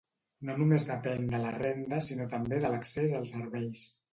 No només depèn de la renda sinó també de l'accés als serveis.